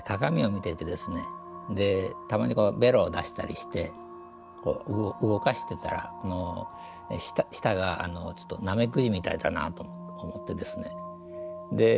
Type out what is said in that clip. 見ていてですねでたまにベロを出したりして動かしてたら舌がちょっとナメクジみたいだなと思ってですねで